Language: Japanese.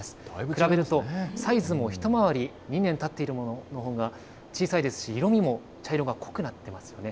比べるとサイズも一回り、２年たっているもののほうが小さいですし、色味も茶色が濃くなっていますよね。